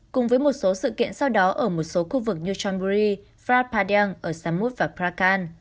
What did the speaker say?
cùng với một số sự kiện sau đó ở một số khu vực như changburi phra padyang ở samut và phra khan